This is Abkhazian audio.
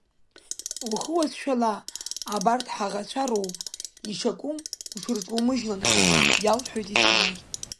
Ухы уацәшәала, абарҭ ҳаӷацәа роуп, ишакәым уҽырҿоумыжьлан ҳәа иалҳәоит еснагь.